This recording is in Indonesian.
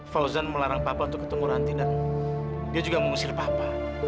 fauzan melarang papa untuk ketemu ranti dan dia juga mengusir papa